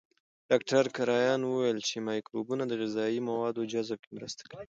ډاکټر کرایان وویل چې مایکروبونه د غذایي موادو جذب کې مرسته کوي.